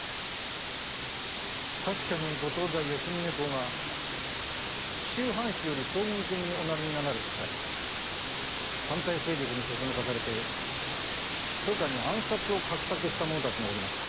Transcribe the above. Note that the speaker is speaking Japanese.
確かにご当代・吉宗公が紀州藩主より将軍家におなりになられた際反対勢力にそそのかされてひそかに暗殺を画策した者たちがおりました。